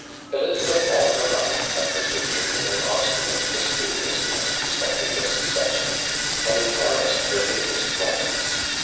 Elizabeth all her life had persevered in an obstinate mysteriousness respecting the succession, and it harassed her latest moments.